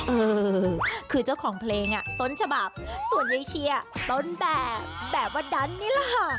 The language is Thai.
เออคือเจ้าของเพลงอ่ะต้นฉบับส่วนยายเชียร์ต้นแบบแบบว่าดันนี่แหละค่ะ